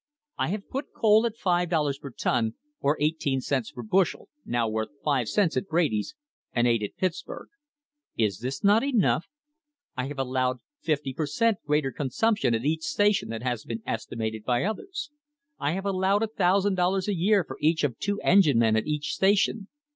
I have put coal at five dollars per ton or eighteen cents per bushel, now worth five cents at Brady's and eight at Pittsburg. Is not this enough ? I have allowed fifty per cent, greater consumption at each station than has been estimated by others. I have allowed $1,000 a year for each of two engine men at each station.